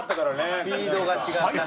スピードが違ったね。